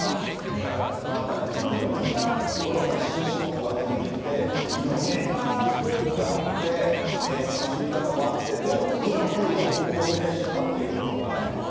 だからこのあたり、いろんな五郎さん、新種目が入ってきて、いろんなスポーツがあって、楽しみ方もあって、でも、努力の方向はみんな一緒だっていうところはね。